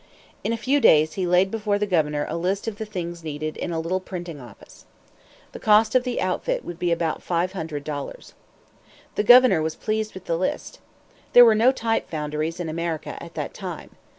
In a few days he laid before the governor a list of the things needed in a little printing office. The cost of the outfit would be about five hundred dollars. The governor was pleased with the list. There were no type foundries in America at that time.